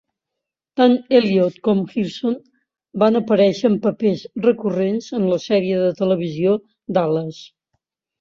Tant Elliott com Hirson van aparèixer en papers recurrents en la sèrie de televisió "Dallas".